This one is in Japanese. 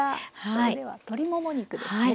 それでは鶏もも肉ですね。